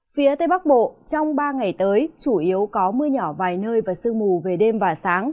phía tây bắc bộ trong ba ngày tới chủ yếu có mưa nhỏ vài nơi và sương mù về đêm và sáng